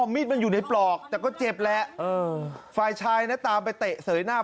มีดมันอยู่ในปลอกแต่ก็เจ็บแหละเออฝ่ายชายนะตามไปเตะเสยหน้า